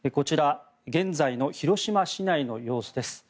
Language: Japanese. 現在の広島市内の様子です。